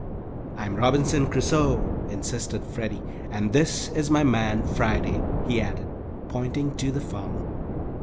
"I'm Robinson Crusoe!" insisted Freddie, "and this is my man, Friday," he added, pointing to the farmer.